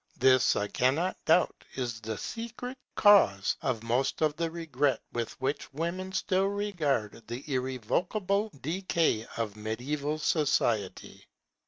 This, I cannot doubt, is the secret cause of most of the regret with which women still regard the irrevocable decay of mediaeval society.